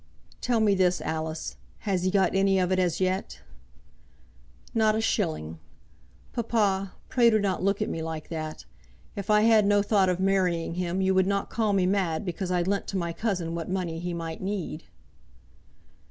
"Tell me this, Alice; has he got any of it as yet?" "Not a shilling. Papa, pray do not look at me like that. If I had no thought of marrying him you would not call me mad because I lent to my cousin what money he might need."